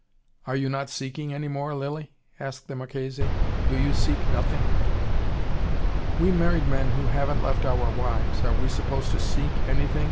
"Are you not seeking any more, Lilly?" asked the Marchese. "Do you seek nothing?" "We married men who haven't left our wives, are we supposed to seek anything?"